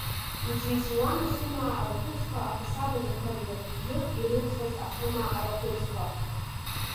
Иҵәиҵәиуан ахымаа арахәыцқәа ақәасаб адақәа рҩаны ирылхыз ахымаа арахәыцқәа.